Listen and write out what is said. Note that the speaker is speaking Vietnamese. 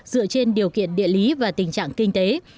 dựa trên điều kiện địa lý và tình trạng kinh tế